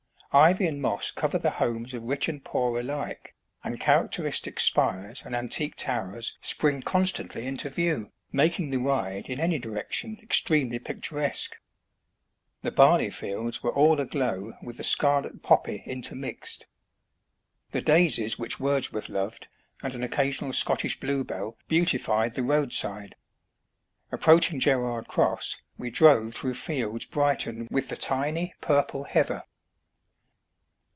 Ivy and moss cover the homes of rich and poor alike, and characteristic spires and antique towers spring constantly into view, making the ride in any direction extremely picturesque. The barley fields were all aglow with the scarlet poppy intermixed. The daisies which Wordsworth loved, and an occa sional Scottish bluebell beautified the roadside. Approaching Gerrard Cross, we drove through fields brightened with the tiny purple heather.